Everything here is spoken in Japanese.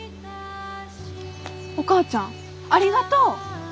お母ちゃんありがとう！